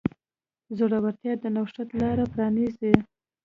زړورتیا د نوښت لاره پرانیزي.